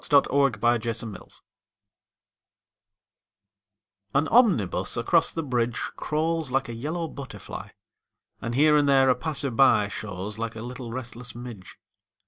SYMPHONY IN YELLOW AN omnibus across the bridge Crawls like a yellow butterfly And, here and there, a passer by Shows like a little restless midge.